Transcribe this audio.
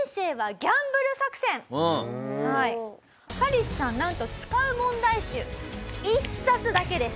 カリスさんなんと使う問題集１冊だけです。